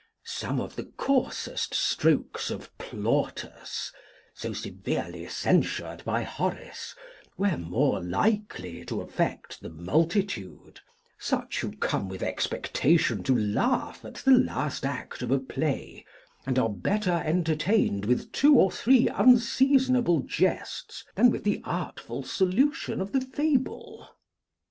Some of the coarsest strokes of Plautus, so severely censured by Horace, were more likely to affect the multitude; such, who come with expectation to laugh at the last act of a play, and are better entertained with two or three unseasonable jests than with the artful solution of the fable.